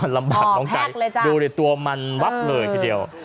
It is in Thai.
ลำบากน้องไก่ดูดิตัวมันวับเลยทีเดียว